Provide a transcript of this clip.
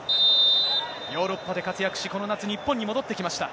ヨーロッパで活躍し、この夏、日本に戻ってきました。